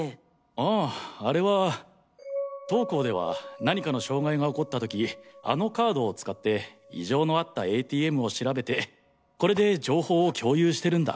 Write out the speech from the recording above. あああれは当行では何かの障害が起こった時あのカードを使って異常のあったＡＴＭを調べてこれで情報を共有してるんだ。